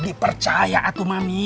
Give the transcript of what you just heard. dipercaya atu mami